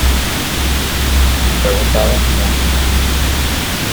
Fue votada núm.